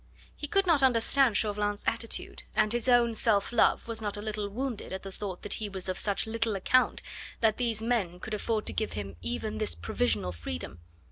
He could not understand Chauvelin's attitude, and his own self love was not a little wounded at the thought that he was of such little account that these men could afford to give him even this provisional freedom.